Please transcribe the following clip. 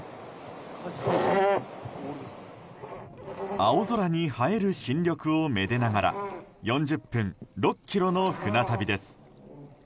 青空に映える新緑をめでながら４０分、６ｋｍの船旅です。